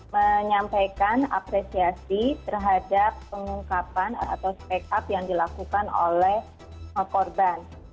menyampaikan apresiasi terhadap pengungkapan atau speak up yang dilakukan oleh korban